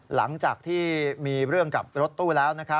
หลังจากที่มีเรื่องกับรถตู้แล้ว